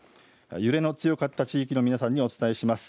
揺れの強かった地域の皆さんにお伝えします。